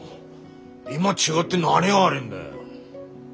今違って何が悪いんだよ。